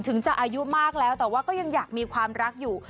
ถึงจะอายุมากแล้วแต่ว่าก็ยังอยากมีความรักอยู่